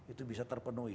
itu bisa terpenuhi